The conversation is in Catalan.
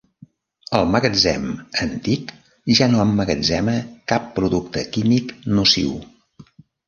El magatzem antic ja no emmagatzema cap producte químic nociu.